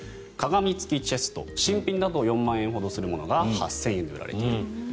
鏡付きチェスト新品だと４万円ほどするものが８０００円で売られている。